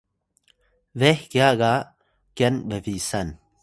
beh kya ga kyan bbisan